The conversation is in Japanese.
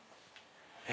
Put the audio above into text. え？